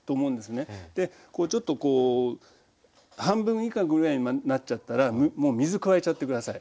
こうちょっとこう半分以下ぐらいまでなっちゃったらもう水加えちゃって下さい。